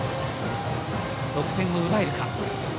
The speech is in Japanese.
得点を奪えるか。